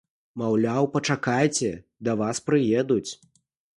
Маўляў, пачакайце, да вас прыедуць.